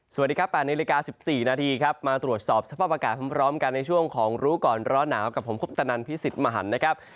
สวัสดีครับ๘นาฬิกา๑๔นาทีครับมาตรวจสอบสภาพอากาศพร้อมกันในช่วงของรู้ก่อนร้อนหนาวกับผมคุปตนันพิสิทธิ์มหันนะครับ